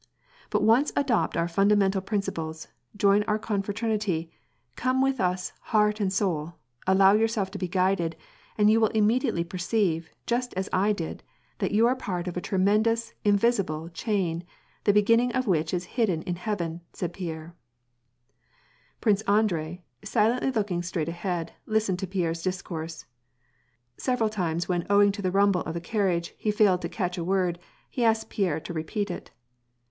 But once adopt our fundamental princi ples, join our confraternity, come with us heart and soul, allow youi*self to be guided, and you will immediately perceive, just as I did, that you are a part of a tremendous, invisible chain, the beginning of which is hidden in heaven," said Pierre, Prince Andrei, silently looking straight ahead, listened to Pierre's discourse. Several times when owing to the rumble of the carriage, he failed to catch a word, he asked Pierre to repeat it.